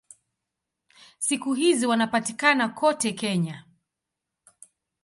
Siku hizi wanapatikana kote Kenya.